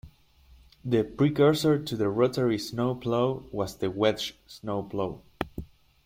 The precursor to the rotary snowplow was the wedge snowplow.